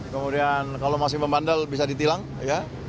kemudian kalau masih membandel bisa ditilang ya